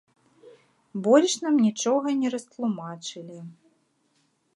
Больш нам нічога не растлумачылі.